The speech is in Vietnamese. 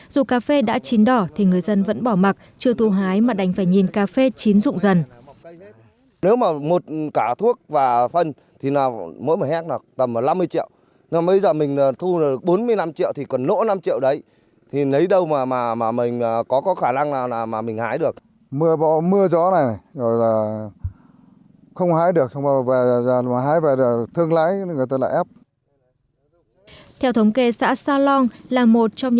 dù cà phê đã chín đỏ thì người dân vẫn bỏ mặt chưa thu hái mà đánh phải nhìn cà phê chín rụng dần